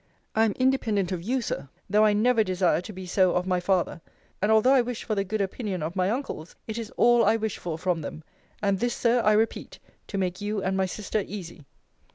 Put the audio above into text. I am independent of you, Sir, though I never desire to be so of my father: and although I wish for the good opinion of my uncles, it is all I wish for from them: and this, Sir, I repeat, to make you and my sister easy.